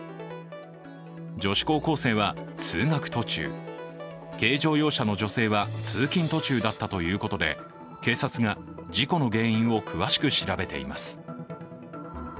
女子高校生は通学途中、軽乗用車の女性は通勤途中だったということで警察が事故の原因を詳しく調べています。